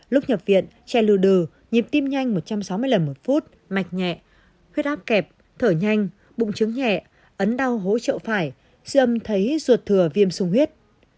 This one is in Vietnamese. lúc nhập viện trẻ lưu đừ nhịp tim nhanh một trăm sáu mươi lần một phút mạch nhẹ huyết áp kẹp thở nhanh bụng trứng nhẹ ấn đau hố trậu phải dư âm thấy ruột thừa viêm sung huyết